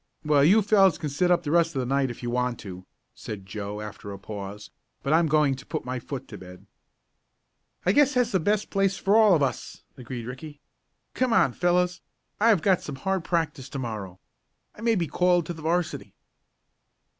"Well, you fellows can sit up the rest of the night if you want to," said Joe, after a pause; "but I'm going to put my foot to bed." "I guess that's the best place for all of us," agreed Ricky. "Come on, fellows; I have got some hard practice to morrow. I may be called to the 'varsity."